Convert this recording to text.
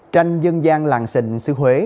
tranh dân gian làng xịn sư huế